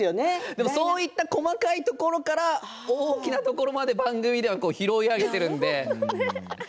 でもそういう細かいところから、大きなところまで番組では拾い上げているので。